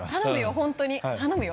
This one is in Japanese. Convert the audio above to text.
本当に頼むよ。